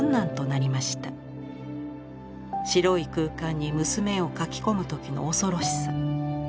白い空間に娘を描きこむ時の恐ろしさ。